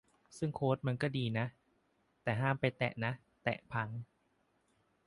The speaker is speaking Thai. ซึ่งโค้ดมันดีนะ แต่ห้ามไปแตะนะ แตะพัง